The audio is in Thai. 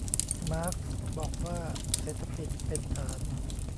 มาร์กซ์บอกว่าเศรษฐกิจเป็นฐาน